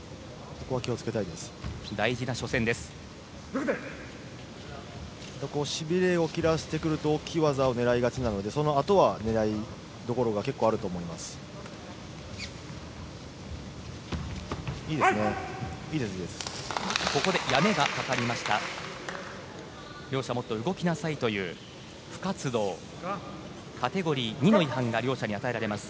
ここのしびれを切らしてくると大きい技を狙いがちなのでそのあとは狙いどころが結構あると思います。